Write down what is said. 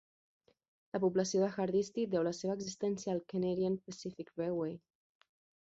La població de Hardisty deu la seva existència al Canadian Pacific Railway.